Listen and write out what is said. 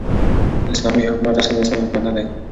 ز : اسلامې حكومت اصلاً انساني حكومت نه دى